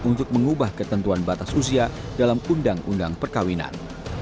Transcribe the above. untuk mengubah ketentuan batas usia dalam undang undang perkawinan